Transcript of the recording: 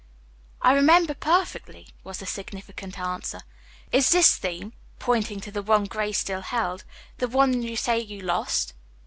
"I remember perfectly," was the significant answer. "Is this theme," pointing to the one Grace still held, "the one you say you lost?"